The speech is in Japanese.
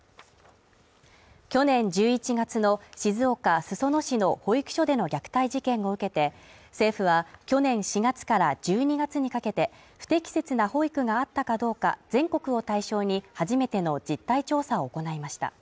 去年１１月の静岡・裾野市の保育所での虐待事件を受けて政府は去年４月から１２月にかけて、不適切な保育があったかどうか、全国を対象に初めての実態調査を行いました。